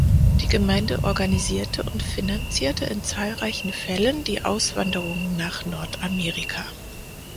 Die Gemeinde organisierte und finanzierte in zahlreichen Fällen die Auswanderung nach Nordamerika.